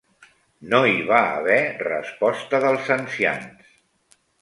No hi va haver resposta dels ancians.